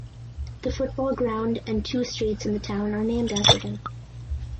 The football ground and two streets in the town are named after him.